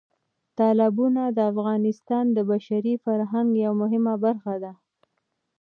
تالابونه د افغانستان د بشري فرهنګ یوه مهمه برخه ده.